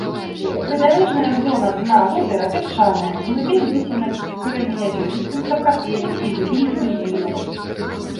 Прыбярэжная зона дна возера пясчаная, глыбей выслана крэменязёмістым сапрапелем і гліністым ілам.